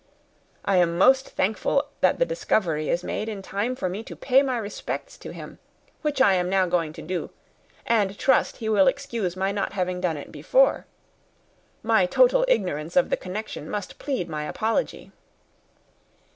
I am most thankful that the discovery is made in time for me to pay my respects to him, which I am now going to do, and trust he will excuse my not having done it before. My total ignorance of the connection must plead my apology."